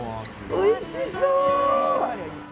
おいしそう。